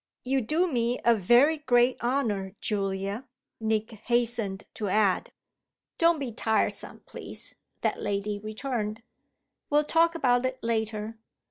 "You do me a very great honour, Julia," Nick hastened to add. "Don't be tiresome, please," that lady returned. "We'll talk about it later.